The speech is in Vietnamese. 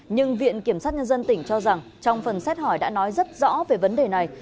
nhưng viện kiểm sát nhân dân tỉnh cho rằng trong phần xét hỏi đã nói rất rõ về vấn đề này